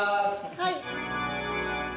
はい。